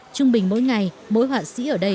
trung bình mỗi ngày mỗi họa sĩ ở đây